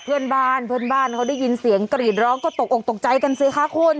เพื่อนบ้านเพื่อนบ้านเขาได้ยินเสียงกรีดร้องก็ตกออกตกใจกันสิคะคุณ